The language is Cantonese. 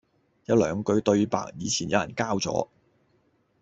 有兩句對白以前有人交咗